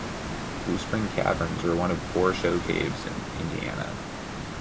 Bluespring Caverns are one of four show caves in Indiana.